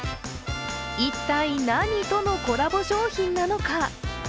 一体何とのコラボ商品なのか。